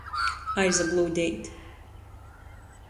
Aizablūdeit.